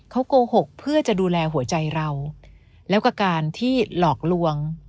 เขาโกหกเพื่อจะดูแลหัวใจเราแล้วกับการที่หลอกลวง